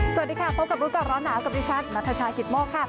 สวัสดีค่ะพบกับรุ่นแล้วนะกับนิชช์นัทชาหิทโมทค่ะ